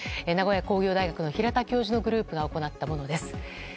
名古屋工業大学の平田教授のグループが行ったものです。